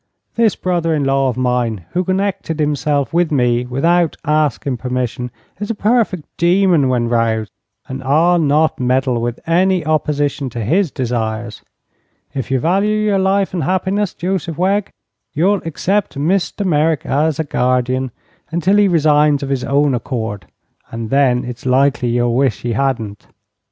"This brother in law of mine, who connected himself with me without asking permission, is a perfect demon when 'roused, and I'll not meddle with any opposition to his desires. If you value your life and happiness, Joseph Wegg, you'll accept Mr. Merrick as a guardian until he resigns of his own accord, and then it's likely you'll wish he hadn't."